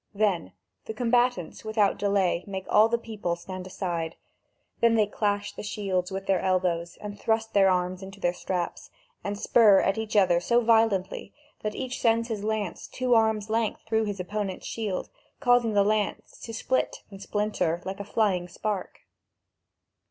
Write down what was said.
Then the combatants without delay make all the people stand aside; then they clash the shields with their elbows, and thrust their arms into the straps, and spur at each other so violently that each sends his lance two arms' length through his opponent's shield, causing the lance to split and splinter like a flying spark.